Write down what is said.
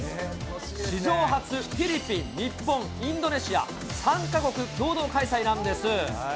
史上初、フィリピン、日本、インドネシア、３か国共同開催なんです。